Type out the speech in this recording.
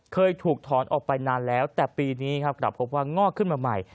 เคยถูกถอนออกไปนานแล้วแต่ปีนี้ครับกลับพบว่างอกขึ้นมาใหม่